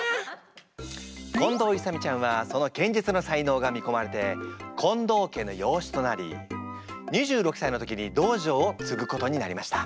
近藤勇ちゃんはその剣術の才能が見込まれて近藤家の養子となり２６歳の時に道場をつぐことになりました。